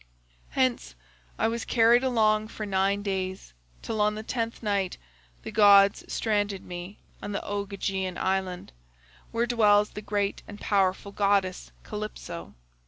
107 "Hence I was carried along for nine days till on the tenth night the gods stranded me on the Ogygian island, where dwells the great and powerful goddess Calypso.